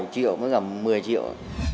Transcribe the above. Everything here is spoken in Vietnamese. năm bảy triệu mới gặp một mươi triệu